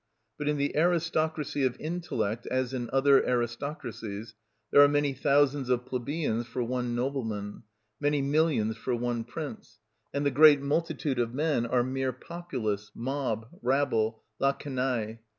But in the aristocracy of intellect, as in other aristocracies, there are many thousands of plebeians for one nobleman, many millions for one prince, and the great multitude of men are mere populace, mob, rabble, la canaille.